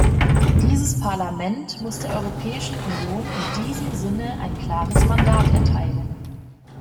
Dieses Parlament muss der Europäischen Union in diesem Sinne ein klares Mandat erteilen.